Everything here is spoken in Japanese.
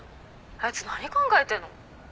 あいつ何考えてんの？